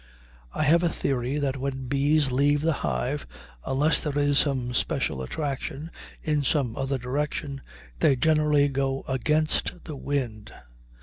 I have a theory that when bees leave the hive, unless there is some special attraction in some other direction, they generally go against the wind.